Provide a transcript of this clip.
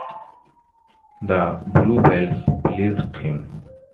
The bluebells pleased him.